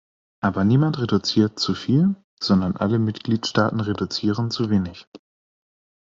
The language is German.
Aber niemand reduziert zuviel, sondern alle Mitgliedstaaten reduzieren zu wenig.